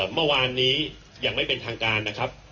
เมื่อวานนี้ยังไม่เป็นทางการนะครับ